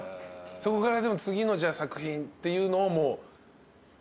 そこからでも次の作品っていうのをもう？